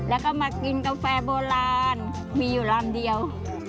แล้วก็มากินกาแฟโบราณมีอยู่ลำเดียว